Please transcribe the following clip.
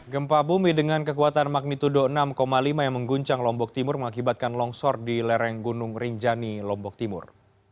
gempa bumi dengan kekuatan magnitudo enam lima yang mengguncang lombok timur mengakibatkan longsor di lereng gunung rinjani lombok timur